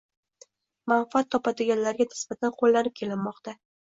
manfaat topadiganlarga nisbatan qo‘llanib kelinmoqda.